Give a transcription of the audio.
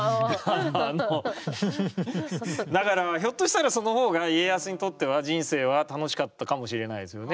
あのだからひょっとしたらその方が家康にとっては人生は楽しかったかもしれないですよね。